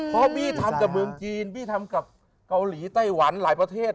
เพราะบี้ทำกับเมืองจีนบี้ทำกับเกาหลีไต้หวันหลายประเทศ